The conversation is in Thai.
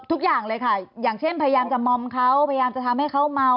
ทุกอย่างเลยค่ะอย่างเช่นพยายามจะมอมเขาพยายามจะทำให้เขาเมา